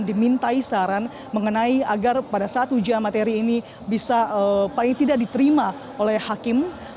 dimintai saran mengenai agar pada saat ujian materi ini bisa paling tidak diterima oleh hakim